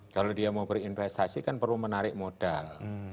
kalau dia mau berinvestasi kan perlu menarik modal